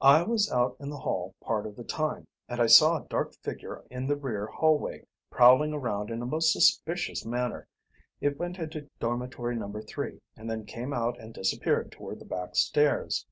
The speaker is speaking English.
"I was out in the hall part of the time, and I saw a dark figure in the rear hallway prowling around in a most suspicious manner. It went into Dormitory No. 3 and then came out and disappeared toward the back stairs."